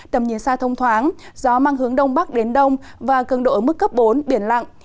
tầm nhìn xa thông thoáng gió mang hướng đông bắc đến đông và cường độ ở mức cấp bốn biển lặng